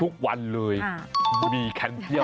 ทุกวันเลยมีแค่เที่ยว